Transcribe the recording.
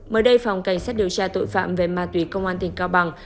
mới đây phòng cảnh sát điều tra tội phạm về ma túy công an tỉnh cao bằng